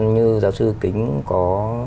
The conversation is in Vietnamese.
như giáo sư kính có